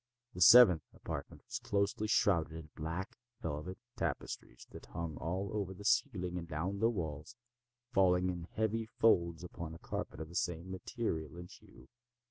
The seventh apartment was closely shrouded in black velvet tapestries that hung all over the ceiling and down the walls, falling in heavy folds upon a carpet of the same material and hue.